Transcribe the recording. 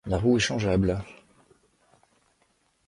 La roue est changeable.